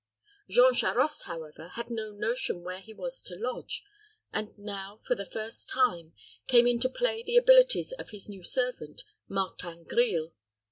Jean Charost, however, had no notion where he was to lodge, and now, for the first time, came into play the abilities of his new servant, Martin Grille.